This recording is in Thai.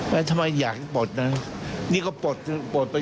ไม่ทำไมอยากปลดนะนี่ก็ปลดนี่